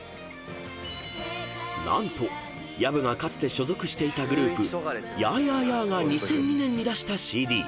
［何と薮がかつて所属していたグループＹａ−Ｙａ−ｙａｈが２００２年に出したＣＤ